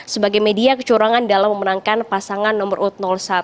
sebagai media kecurangan dalam memenangkan pasangan nomor urut satu